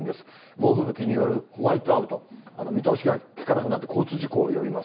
猛吹雪によるホワイトアウト、見通しが利かなくなって、交通事故を呼びます。